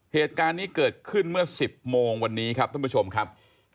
เหตุการณ์นี้เกิดขึ้นเมื่อ๑๐โมงวันนี้ครับท่านผู้ชมครับ